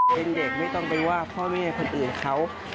เป็นเด็กไม่ต้องไปว่าพ่อแม่คนอื่นเขา